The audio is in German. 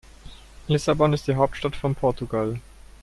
Lissabon ist die Hauptstadt von Portugal.